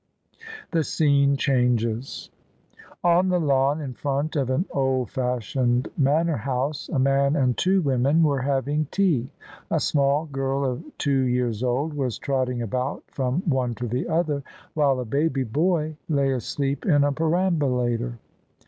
THE SCENE CHANGES On the lawn in front of an old fashioned manor house a man and two women were having tea. A small girl of two years old was trotting about from one to the other, while a baby boy lay asleep in a perambulator.